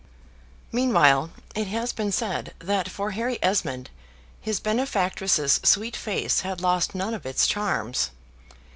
Meanwhile, it has been said, that for Harry Esmond his benefactress's sweet face had lost none of its charms.